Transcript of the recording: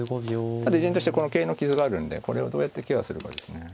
ただ依然としてこの桂の傷があるんでこれをどうやってケアするかですね。